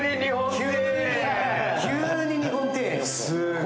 急に日本庭園よ。